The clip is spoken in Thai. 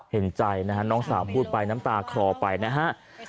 เห็นใจนะฮะน้องสาวพูดไปน้ำตาคลอไปนะฮะ